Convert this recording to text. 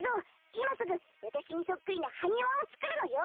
いますぐわたしにそっくりなハニワをつくるのよ。